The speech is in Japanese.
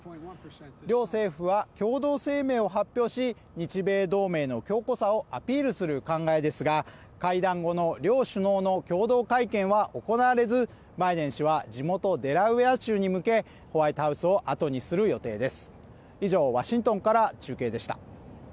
両政府は共同声明を発表し日米同盟の強固さをアピールする考えですが会談後の両首脳の共同会見は行われずバイデン氏は地元デラウェア州に向けホワイトハウスを後にする予定です。